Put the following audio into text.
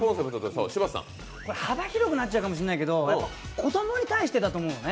幅広くなっちゃうかもしれないけど、子供に対してだと思うのね。